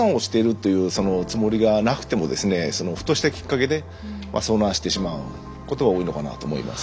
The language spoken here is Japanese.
ふとしたきっかけで遭難してしまうことが多いのかなと思います。